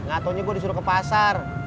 gatau nya gue disuruh ke pasar